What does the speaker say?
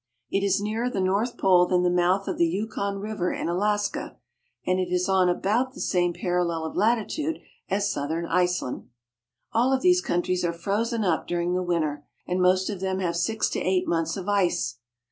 It is nearer the North Pole than the mouth of the Yukon River in Alaska, and it is on about the same parallel of latitude as southern Iceland. . All of these countries are frozen up during the winter, and most of them have from six to eight months of ice.